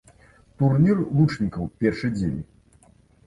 Турнір лучнікаў, першы дзень.